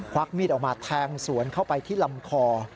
วักมีดออกมาแทงสวนเข้าไปที่ลำคอ